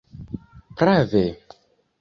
prave